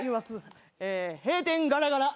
閉店ガラガラ。